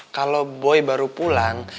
kalau boy baru pulang